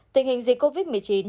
một tình hình dịch covid một mươi chín